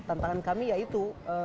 nah tantangan kami yaitu